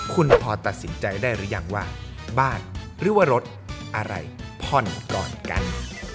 คุณพอตัดสินใจได้หรือยังว่าบ้านหรือว่ารถอะไรผ่อนก่อนกัน